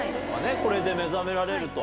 これで目覚められると。